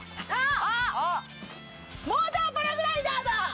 モーターパラグライダーだ！